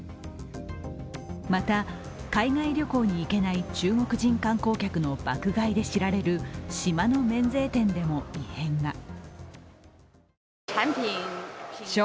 また、海外旅行に行けない中国人観光客の爆買いで知られる島の免税店でも異変が。